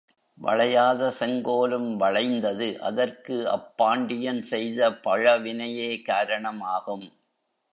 வளையாத செங்கோலும் வளைந்தது அதற்கு அப் பாண்டியன் செய்த பழவினையே காரணம் ஆகும்.